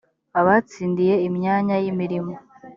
abatsindiye imyanya y’imirimo